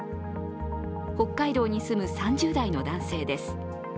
北海道に住む３０代の男性です。